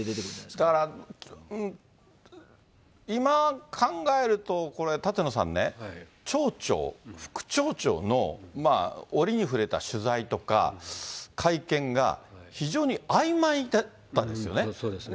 だから、今考えると、舘野さんね、町長、副町長の折に触れた取材とか会見が非常にあいまいだったですよね。